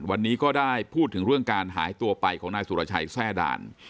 วันนี้ก็ได้พูดถึงเรื่องการหายตัวไปของนายสุรชัยแทร่ด่าน